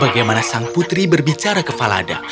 bagaimana sang putri berbicara ke falada